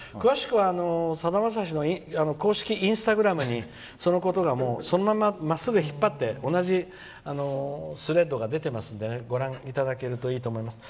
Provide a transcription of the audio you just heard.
さだまさしの公式インスタグラムにそのことがそのまんままっすぐ引っ張って同じスレッドが出ていますのでご覧いただけるといいと思います。